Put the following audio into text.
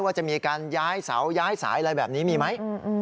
ว่าจะมีการย้ายเสาย้ายสายอะไรแบบนี้มีไหม